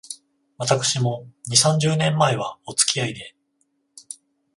私も、二、三十年前は、おつきあいで